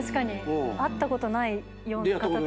会ったことないような方たちが。